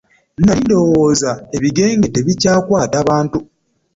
Nali ndowooza ebigenge tebikyakwaata bantu .